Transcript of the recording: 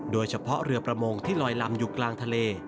โดยเฉพาะเรือประมงที่ลอยลำอยู่กลางทะเล